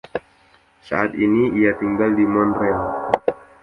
Saat ini ia tinggal di Montreal.